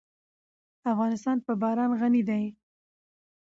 افغانستان په باران غني دی.